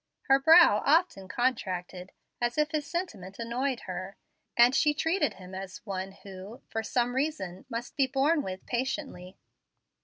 Her brow often contracted, as if his sentiment annoyed her, and she treated him as one who, for some reason, must be borne with patiently.